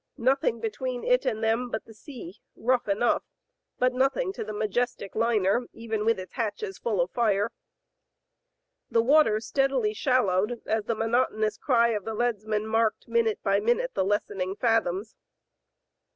Nothing between it and them but the sea, rough enough, but nothing to the majestic liner, even with its hatches full of fire. The water steadily shal lowed, as the monotonous cry of the leadsman marked minute by minute the lessening fathoms.